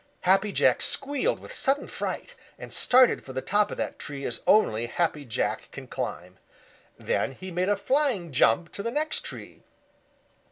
Happy Jack squealed with sudden fright and started for the top of that tree as only Happy Jack can climb. Then he made a flying jump to the next tree.